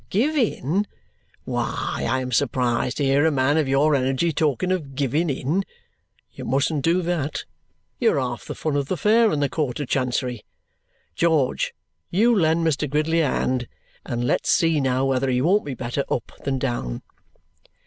Give in? Why, I am surprised to hear a man of your energy talk of giving in. You mustn't do that. You're half the fun of the fair in the Court of Chancery. George, you lend Mr. Gridley a hand, and let's see now whether he won't be better up than down."